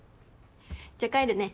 じゃあ帰るね。